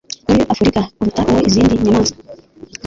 muri Afurika uruta uwo izindi nyamaswa